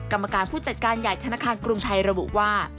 กรรมการผู้จัดการใหญ่ธนาคารกรุงไทยระบุว่า